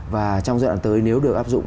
và trong giai đoạn tới nếu được áp dụng